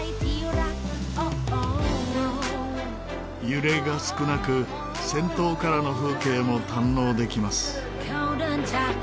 揺れが少なく先頭からの風景も堪能できます。